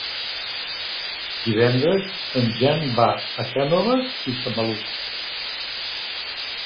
Divendres en Jan va a Cànoves i Samalús.